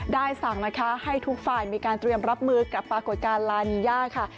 ได้สั่งนะคะให้ทุกฝ่ายมีการเตรียมรับมือกับปรากฏการณ์ลานีย่าค่ะ